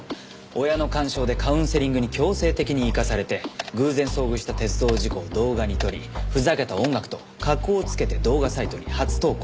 親の干渉でカウンセリングに強制的に行かされて偶然遭遇した鉄道事故を動画に撮りふざけた音楽と加工をつけて動画サイトに初投稿。